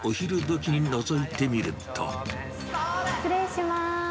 失礼します。